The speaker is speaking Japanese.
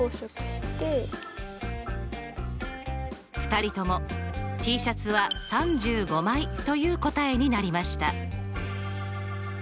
２人ともＴシャツは３５枚という答えになりました。